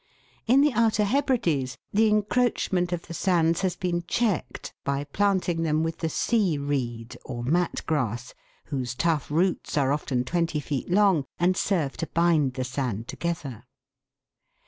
(Fig. n, p. 38.) In the outer Hebrides, the encroachment of the sands has been checked by planting them with the sea reed or mat grass, whose tough roots are often twenty feet long, and serve to bind the sand together.